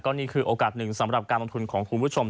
นี่คือโอกาสหนึ่งสำหรับการลงทุนของคุณผู้ชม